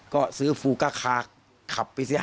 ก็ซื้อฟูก้าคาขับไปเสีย